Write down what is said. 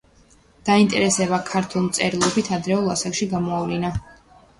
დაინტერესება ქართული მწერლობით ადრეულ ასაკში გამოავლინა.